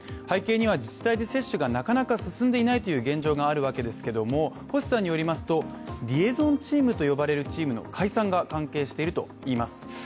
背景には自治体で接種がなかなか進んでいないという現状があるわけですが星さんによりますと、リエゾンチームと呼ばれるチームの解散が確認されているといいます。